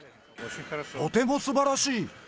とてもすばらしい。